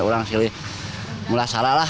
orang sendiri merasalah